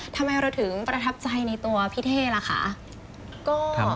ทำไมเราถึงประทับใจในตัวพี่เท่ล่ะคะ